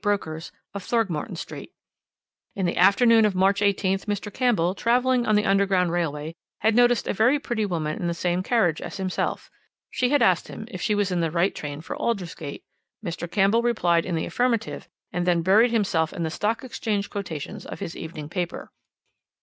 brokers, of Throgmorton Street. "In the afternoon of March 18th Mr. Campbell, travelling on the Underground Railway, had noticed a very pretty woman in the same carriage as himself. She had asked him if she was in the right train for Aldersgate. Mr. Campbell replied in the affirmative, and then buried himself in the Stock Exchange quotations of his evening paper.